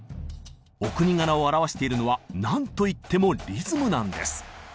お国柄をあらわしているのはなんといってもリズムなんです。